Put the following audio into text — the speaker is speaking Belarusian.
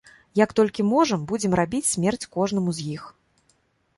Як толькі можам, будзем рабіць смерць кожнаму з іх.